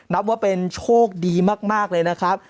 นับว่าเป็นโชคดีมากเลยนะครับ